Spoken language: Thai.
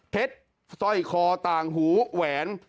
สร้อยคอต่างหูแหวน